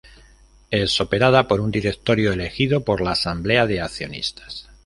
Es operada por un directorio elegido por la asamblea de accionistas.